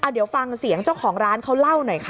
เดี๋ยวฟังเสียงเจ้าของร้านเขาเล่าหน่อยค่ะ